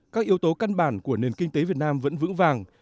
các yếu tố căn bản của nền kinh tế việt nam vẫn vững vàng